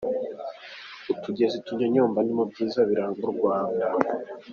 Utugezi tunyonyomba ni mu Byiza biranga u Rwanda.